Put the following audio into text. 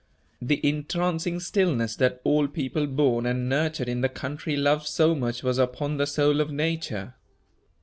The entrancing stillness that all people born and nurtured in the country love so much was upon the soul of Nature.